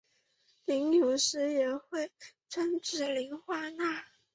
膦有时也专指磷化氢。